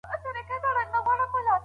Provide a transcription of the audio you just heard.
ورته یاد سي خپل اوږده لوی سفرونه